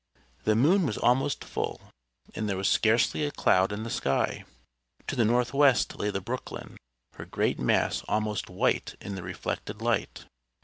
The moon was almost full, and there was scarcely a cloud in the sky. To the northwest lay the Brooklyn, her great mass almost white in the reflected light.